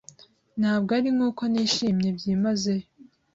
Ntabwo arinkuko nishimye byimazeyo.